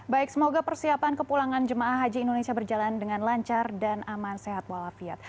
baik semoga persiapan kepulangan jemaah haji indonesia berjalan dengan lancar dan aman sehat walafiat